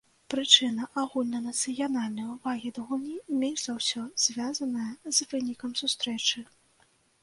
Прычына агульнанацыянальнай увагі да гульні менш за ўсё звязаная з вынікам сустрэчы.